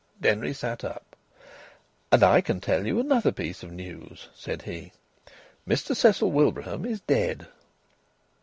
Denry sat up. "And I can tell you another piece of news," said he. "Mr Cecil Wilbraham is dead."